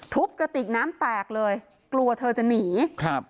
กระติกน้ำแตกเลยกลัวเธอจะหนีครับ